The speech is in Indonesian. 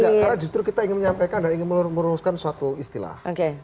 karena justru kita ingin menyampaikan dan ingin merusakan suatu istilah